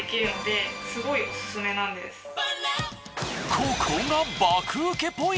ここが。